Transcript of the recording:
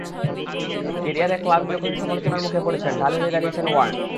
ক্যারিয়ারে ক্লার্ক যখনই সমালোচনার মুখে পড়েছেন, ঢাল হয়ে সামনে দাঁড়িয়েছেন ওয়ার্ন।